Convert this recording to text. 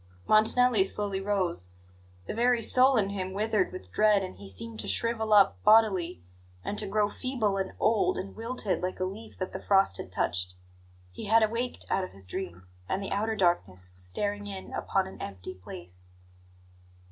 Montanelli slowly rose. The very soul in him withered with dread, and he seemed to shrivel up bodily, and to grow feeble, and old, and wilted, like a leaf that the frost has touched. He had awaked out of his dream, and the outer darkness was staring in upon an empty place.